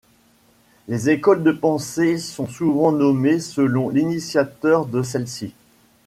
Les écoles de pensée sont souvent nommées selon l'initiateur de celles-ci.